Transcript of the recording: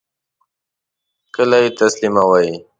کله یی تسلیموئ؟